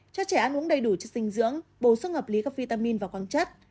cho trẻ ăn uống đầy đủ chất dinh dưỡng bổ xuất ngập lý các vitamin và quang chất